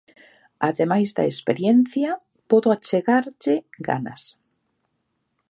Ademais da experiencia, podo achegarlle ganas.